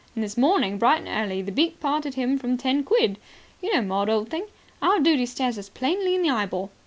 And this morning, bright and early, the beak parted him from ten quid. You know, Maud, old thing, our duty stares us plainly in the eyeball.